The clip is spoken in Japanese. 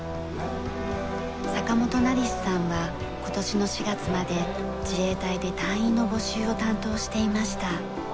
坂元成止さんは今年の４月まで自衛隊で隊員の募集を担当していました。